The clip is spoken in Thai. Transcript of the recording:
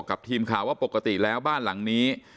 พี่สาวต้องเอาอาหารที่เหลืออยู่ในบ้านมาทำให้เจ้าหน้าที่เข้ามาช่วยเหลือ